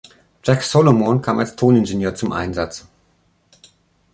Jack Solomon kam als Toningenieur zum Einsatz.